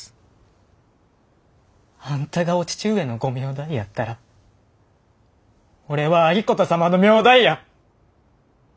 あんたがお父上のご名代やったら俺は有功様の名代や！